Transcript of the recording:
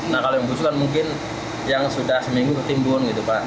nah kalau yang busuk kan mungkin yang sudah seminggu ketimbun gitu pak